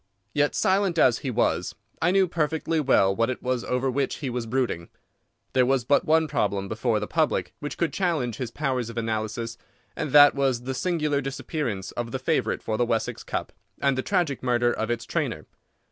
Yet, silent as he was, I knew perfectly well what it was over which he was brooding. There was but one problem before the public which could challenge his powers of analysis, and that was the singular disappearance of the favourite for the Wessex Cup, and the tragic murder of its trainer.